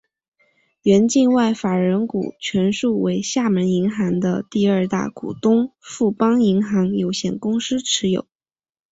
原境外法人股全数为厦门银行的第二大股东富邦银行有限公司持有。